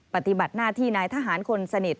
ปฏิบัติหน้าที่นายทหารคนสนิท